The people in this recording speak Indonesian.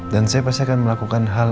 dan saya pasti akan melakukan hal